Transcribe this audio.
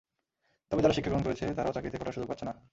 তবে যারা শিক্ষা গ্রহণ করছে, তারাও চাকরিতে কোটার সুযোগ পাচ্ছে না।